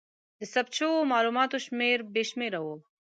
د ثبت شوو مالوماتو شمېر بې شمېره و.